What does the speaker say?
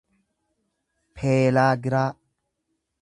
peelaagiraa